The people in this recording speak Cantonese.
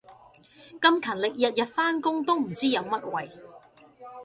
咁勤力日日返工都唔知有乜謂